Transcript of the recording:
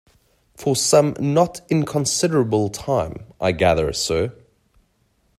For some not inconsiderable time, I gather, sir.